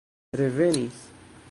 revenis